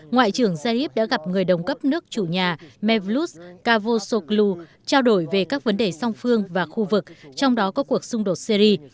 ngoại trưởng jaip đã gặp người đồng cấp nước chủ nhà mevlut cavosoklu trao đổi về các vấn đề song phương và khu vực trong đó có cuộc xung đột syri